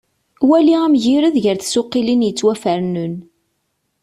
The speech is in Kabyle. Wali amgired gar tsuqilin yettwafernen.